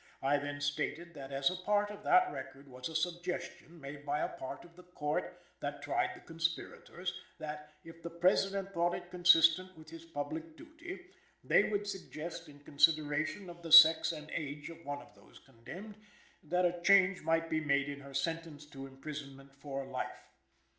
I then stated that as a part of that record was a suggestion made by a part of the Court that tried the conspirators, that, if the President thought it consistent with his public duty, they would suggest, in consideration of the sex and age of one of those condemned, that a change might be made in her sentence to imprisonment for life.